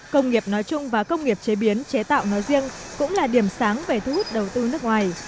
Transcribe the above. công nghiệp nói chung và công nghiệp chế biến chế tạo nói riêng cũng là điểm sáng về thu hút đầu tư nước ngoài